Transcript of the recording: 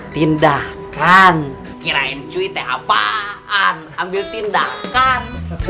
tindakan kirain cuy teh apaan ambil tindakan